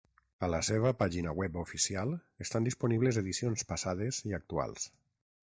A la seva pàgina web oficial estan disponibles edicions passades i actuals.